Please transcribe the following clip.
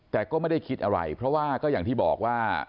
แต่ก็ไม่ได้คิดอะไรเพราะว่าก็อย่างที่บอกว่า